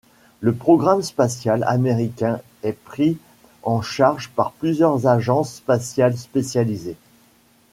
Le programme spatial américain est pris en charge par plusieurs agences spatiales spécialisées.